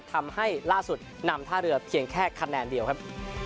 ทำให้ล่าสุดนำท่าเรือเพียงแค่คะแนนเดียวครับ